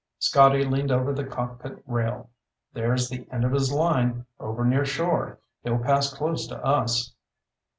Scotty leaned over the cockpit rail. "There's the end of his line, over near shore. He'll pass close to us."